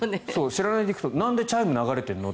知らないで行くと、なんでチャイム流れてるの？